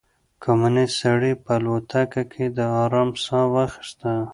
کمونيسټ سړي په الوتکه کې د ارام ساه واخيسته.